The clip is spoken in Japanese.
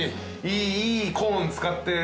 いいコーン使って。